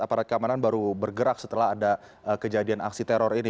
aparat keamanan baru bergerak setelah ada kejadian aksi teror ini